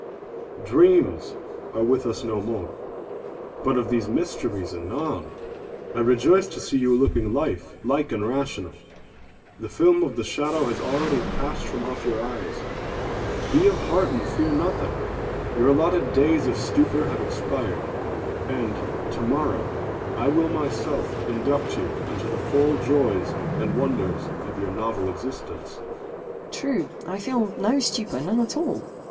Dreams are with us no more; but of these mysteries anon. I rejoice to see you looking life like and rational. The film of the shadow has already passed from off your eyes. Be of heart and fear nothing. Your allotted days of stupor have expired and, to morrow, I will myself induct you into the full joys and wonders of your novel existence. EIROS. True—I feel no stupor—none at all.